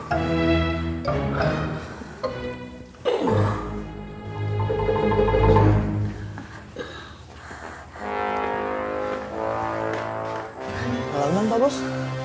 selamat malam pak bos